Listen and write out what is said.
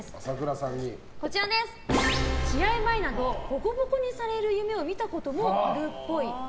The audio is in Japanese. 試合前などボコボコにされる夢を見たこともあるっぽい。